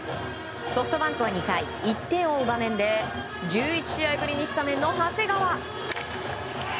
ソフトバンクは２回１点を追う場面で１１試合ぶりにスタメンの長谷川。